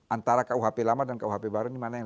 antara kuhp lama dan kuhp baru ini mana yang